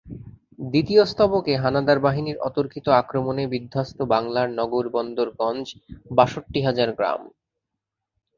দ্বিতীয় স্তবকে হানাদার বাহিনীর অতর্কিত আক্রমণে বিধ্বস্ত বাংলার নগর-বন্দর-গঞ্জ-বাষট্টি হাজার গ্রাম।